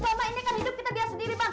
mama ini kan hidup kita biar sendiri bang